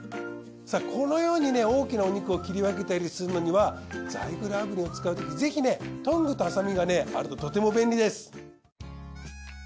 このように大きなお肉を切り分けたりするのにはザイグル炙輪を使うときぜひトングとハサミがあるととても便利です。